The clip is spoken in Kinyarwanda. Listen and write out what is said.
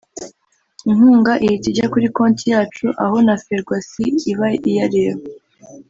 inkunga ihita ijya kuri konti yacu aho na Ferwacy iba iyareba